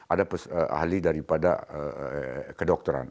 ada ahli daripada kedokteran